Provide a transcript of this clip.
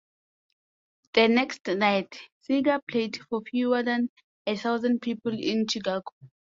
The next night, Seger played for fewer than a thousand people in Chicago.